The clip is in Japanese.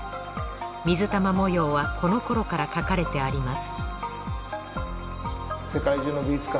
水玉模様はこの頃から描かれてあります